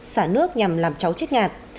xả nước nhằm làm cháu chết nhạt